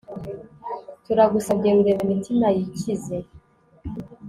turagusabye rurema, imitima yikize